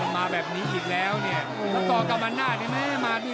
มาแบบนี้อีกแล้วเนี่ย